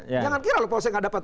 jangan kira loh polsek nggak dapat